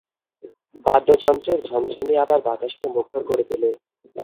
বাদ্যযন্ত্রের ঝনঝনি আবার বাতাসকে মুখর করে তোলে।